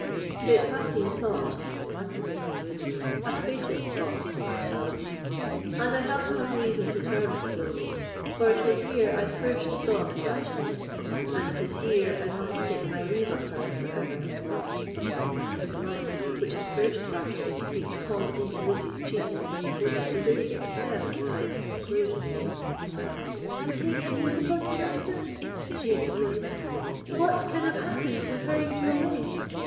"It has been thought," answered Ravenswood, "a fatal spot to my family; and I have some reason to term it so, for it was here I first saw Miss Ashton; and it is here I must take my leave of her for ever." The blood, which the first part of this speech called into Lucy's cheeks, was speedily expelled by its conclusion. "To take leave of us, Master!" she exclaimed; "what can have happened to hurry you away?